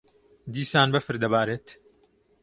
دیسان بەفر دەبارێت.